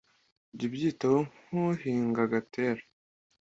jya ubwitaho nk'uhinga agatera